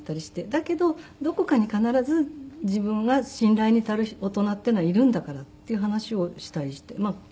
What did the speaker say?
だけどどこかに必ず自分が信頼に足る大人っていうのはいるんだからっていう話をしたりして。